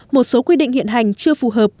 một số quy định hiện hành chưa phù hợp